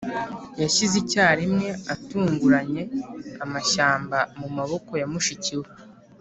yashyize icyarimwe, atunguranye, amashyamba, mu maboko ya mushiki we.